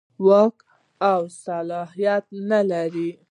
واک او صلاحیت نه لري.